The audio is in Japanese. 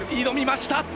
挑みました！